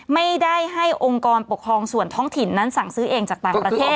ไม่ได้ให้องค์กรปกครองส่วนท้องถิ่นนั้นสั่งซื้อเองจากต่างประเทศ